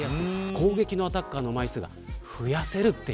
攻撃のアタッカーの枚数が増やせる。